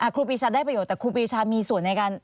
ครูปีชาได้ประโยชนแต่ครูปีชามีส่วนในการ